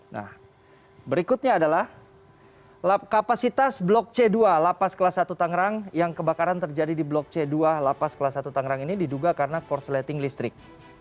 nah berikutnya adalah kapasitas blok c dua lapas kelas satu tangerang yang kebakaran terjadi di blok c dua lapas kelas satu tangerang ini diduga karena korsleting listrik